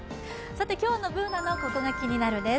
今日のＢｏｏｎａの「ココがキニナル」です。